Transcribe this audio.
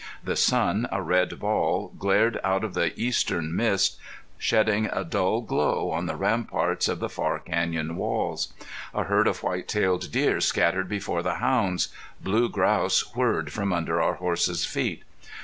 The sun, a red ball, glared out of the eastern mist, shedding a dull glow on the ramparts of the far canyon walls. A herd of white tailed deer scattered before the hounds. Blue grouse whirred from under our horses' feet.